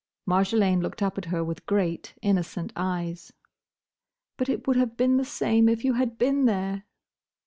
Marjolaine looked up at her with great, innocent eyes. "But it would have been the same if you had been there!"